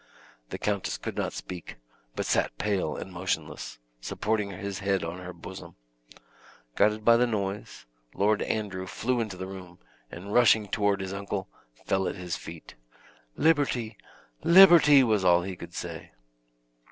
The countess could not speak, but sat pale and motionless, supporting his head on her bosom. Guided by the noise, Lord Andrew flew into the room, and rushing toward his uncle, fell at his feet. "Liberty! Liberty!" was all he could say.